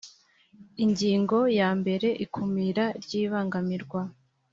ingingo yambere ikumira ry ibangamirwa